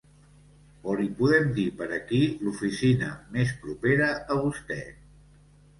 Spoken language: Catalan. O li podem dir per aquí l'oficina més propera a vostè.